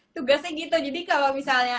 tugasnya gitu jadi kalau misalnya